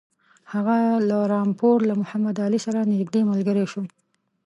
هغه له رامپور له محمدعلي سره نیژدې ملګری شو.